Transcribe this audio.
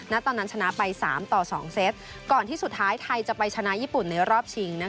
ตอนนั้นชนะไป๓ต่อ๒เซตก่อนที่สุดท้ายไทยจะไปชนะญี่ปุ่นในรอบชิง